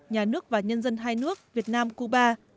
nhà nước và nhân dân hai nước việt nam cuba